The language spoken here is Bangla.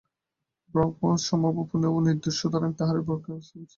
ব্রহ্ম সমভাবাপন্ন ও নির্দোষ, সুতরাং তাঁহারা ব্রহ্মেই অবস্থিত।